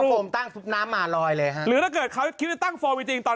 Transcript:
ฟอมตั้งน้ำมารอยเลยหรือถ้าเขาก็ตั้งฟอมอีกจริงตอน